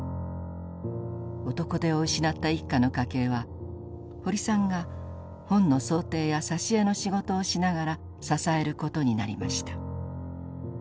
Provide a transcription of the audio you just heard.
男手を失った一家の家計は堀さんが本の装丁や挿絵の仕事をしながら支える事になりました。